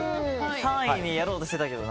３位でやろうとしてたけどな。